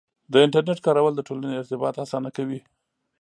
د انټرنیټ کارول د ټولنې ارتباط اسانه کوي.